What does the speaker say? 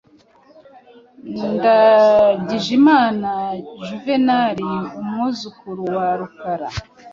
Ndagijimana Juvenal, umwuzukuru wa Rukara